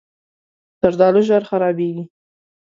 زردالو ژر خرابېږي.